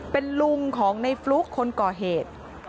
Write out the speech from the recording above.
เป็นลุงของในฟลุ๊กคนก่อเหตุ